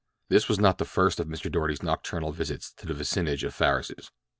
This was not the first of Mr. Doarty's nocturnal visits to the vicinage of Farris's.